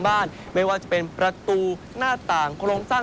ไปต่อกันที่ใต้ฝุ่น